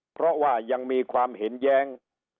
เพราะว่ายังมีความเห็นแย้ง